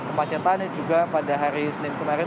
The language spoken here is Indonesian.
kemacetan juga pada hari senin kemarin